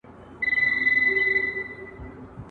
پکار ده، چي يوسف عليه السلام د پلار له مخه ليري کړو.